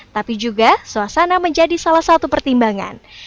tapi juga suasana menjadi salah satu pertimbangan